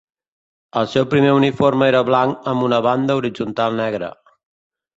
El seu primer uniforme era blanc amb una banda horitzontal negra.